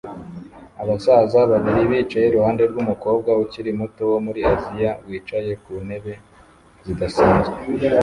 Abasaza babiri bicaye iruhande rwumukobwa ukiri muto wo muri Aziya wicaye ku ntebe zidasanzwe